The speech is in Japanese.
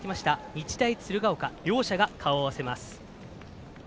日大鶴ヶ丘両者が顔を合わせます。